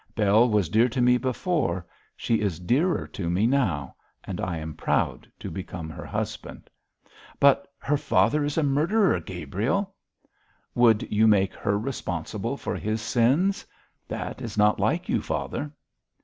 Bell was dear to me before; she is dearer to me now; and I am proud to become her husband.' 'But her father is a murderer, Gabriel!' 'Would you make her responsible for his sins? That is not like you, father.'